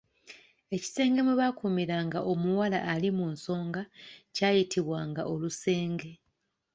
Ekisenge mwe baakuumiranga omuwala ali mu nsonga kyayitibwanga olusenge.